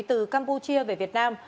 từ campuchia về việt nam